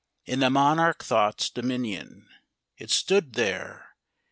In the monarch Thought's dominion It stood there!